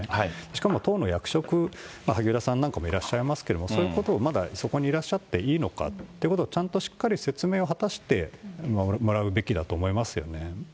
しかも党の役職、萩生田さんなんかもいらっしゃいますけど、そういうことをまだ、そこにいらっしゃっていいのかということを、ちゃんとしっかり説明を果たしてもらうべきだと思いますよね。